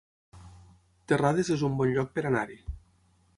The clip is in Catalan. Terrades es un bon lloc per anar-hi